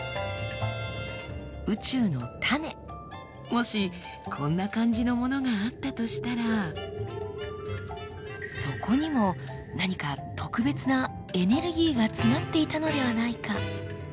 もしこんな感じのものがあったとしたらそこにも何か特別なエネルギーが詰まっていたのではないか？